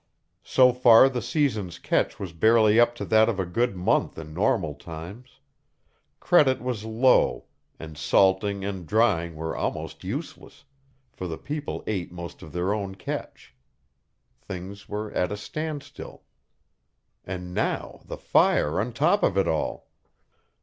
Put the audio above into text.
So far the season's catch was barely up to that of a good month in normal times; credit was low, and salting and drying were almost useless, for the people ate most of their own catch. Things were at a standstill. And now the fire on top of all!